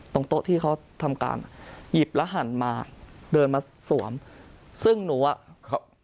โต๊ะที่เขาทำการอ่ะหยิบแล้วหันมาเดินมาสวมซึ่งหนูอ่ะเขา